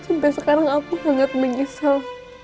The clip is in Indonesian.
sampai sekarang aku sangat menyesal